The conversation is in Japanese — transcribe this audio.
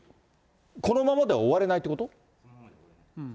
このままでは終われないってこと？